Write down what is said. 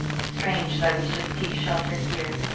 Strange that we should seek shelter here!